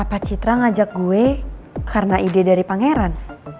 pak citra ngajak gue karena ide dari pangeran